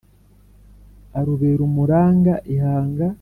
Arubera umuranga ihanga